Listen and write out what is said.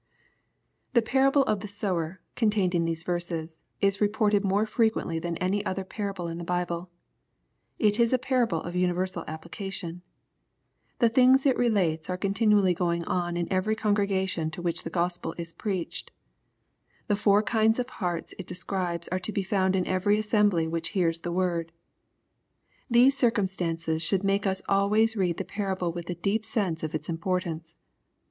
The parable of the sower, contained in these verses, is reported more frequently than any parable in the Bible. It is a parable of universal application. The things it relates are continually going on in every congregation to which the Gospel is preached. The four kinds of hearts it describes are to be found in every assembly which hears the word. These circumstances should make us always read the parable with a deep sense of its impor tance.